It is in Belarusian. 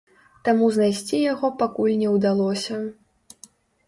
Таму знайсці яго пакуль не ўдалося.